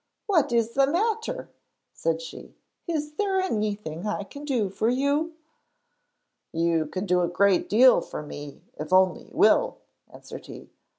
'What is the matter?' said she. 'Is there anything I can do for you?' 'You can do a great deal for me if you only will,' answered he.